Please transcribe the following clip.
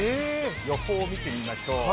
予報見てみましょう。